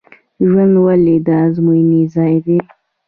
ژوند ولې د ازموینې ځای دی؟